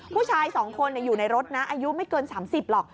ผู้ชาย๒คนอยู่ในรถนะอายุไม่เกิน๓๐หรอก